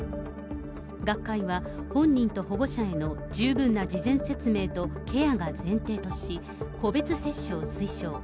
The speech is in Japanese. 学会は、本人と保護者への十分な事前説明とケアが前提とし、個別接種を推奨。